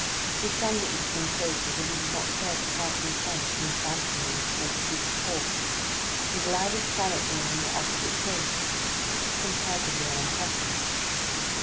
He shunned the eastern coast, as if he did not care to pass in sight of St. Sampson and St. Peter's Port, and glided silently along the opposite coast, which is comparatively uninhabited.